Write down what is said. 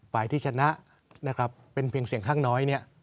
ฝ่ายที่ชนะเป็นเพียงเสี่ยงข้างน้อย